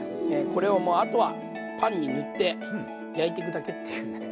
これをもうあとはパンに塗って焼いてくだけっていうね。